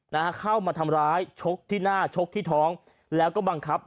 นะฮะเข้ามาทำร้ายชกที่หน้าชกที่ท้องแล้วก็บังคับ